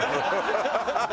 ハハハハ！